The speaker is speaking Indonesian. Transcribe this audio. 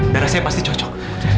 darah saya pasti cocok